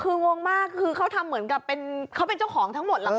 คืองงมากคือเขาทำเหมือนกับเป็นเขาเป็นเจ้าของทั้งหมดแหละค่ะ